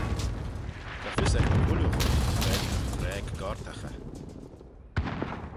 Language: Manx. Ta fys ec dy chooilley ghooinney c'raad ta'n vraag gortagh eh